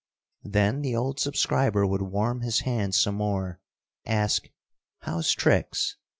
Then the old subscriber would warm his hands some more, ask "How's tricks?"